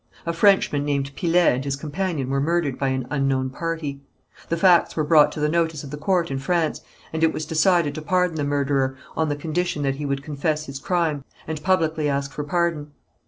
A Frenchman named Pillet and his companion were murdered by an unknown party. The facts were brought to the notice of the court in France, and it was decided to pardon the murderer on the condition that he would confess his crime, and publicly ask for pardon.